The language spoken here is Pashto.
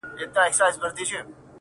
• یو موږک دی چي په نورو نه ګډېږي,